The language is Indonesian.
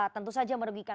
tentu saja merugikan